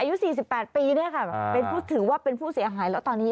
อายุ๔๘ปีถือว่าเป็นผู้เสียหายแล้วตอนนี้